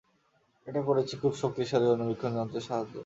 এটা করেছি খুব শক্তিশালী অণুবীক্ষণ যন্ত্রের সাহায্যে।